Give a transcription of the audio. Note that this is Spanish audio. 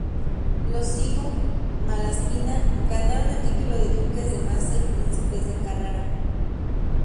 Los Cybo-Malaspina ganaron el título de duques de Massa y Príncipes de Carrara.